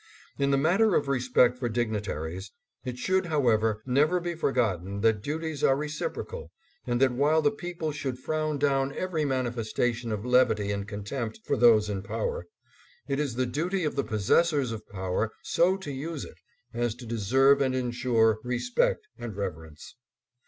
In the matter of respect for dignitaries, it should, however, never be forgotten that duties are reciprocal, and that while the people should frown down every manifestation of levity and contempt for those in power, it is the duty of the possessors of power so to use it as to deserve and insure respect and reverence.